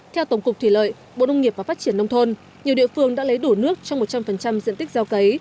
theo tổng cục thủy lợi bộ nông nghiệp và phát triển nông thôn nhiều địa phương đã lấy đủ nước trong một trăm linh diện tích gieo cấy